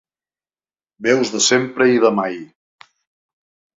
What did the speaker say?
Veus de sempre i de mai.